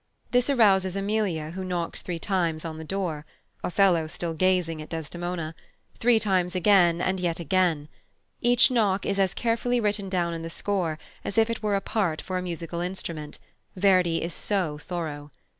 This arouses Emilia, who knocks three times on the door Othello still gazing at Desdemona three times again, and yet again. Each knock is as carefully written down in the score as if it were a part for a musical instrument Verdi is so thorough.